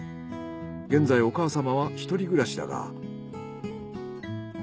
現在お母様は一人暮らしだが。